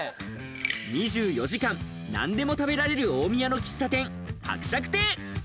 ２４時間、何でも食べられる、大宮の喫茶店・伯爵邸。